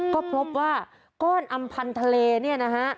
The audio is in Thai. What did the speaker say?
ก็พบว่าก้อนอัมพันธาเลนี่นะฮะ